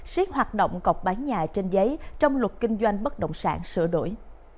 siết hoạt động cọc bán nhà trên giấy trong luật kinh doanh bất động sản sửa đổi